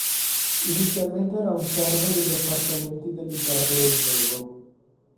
Inizialmente era un servo degli appartamenti dell'imperatore svevo.